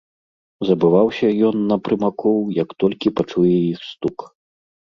Забываўся ён на прымакоў, як толькі пачуе іх стук.